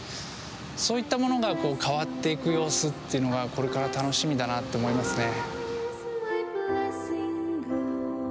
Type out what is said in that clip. そういったものが変わっていく様子っていうのがこれから楽しみだなと思いますね。